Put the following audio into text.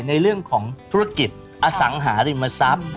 ในเรื่องของธุรกิจอสังหาริมทรัพย์